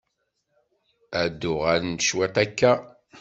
Ad d-uɣaleɣ cwit akka.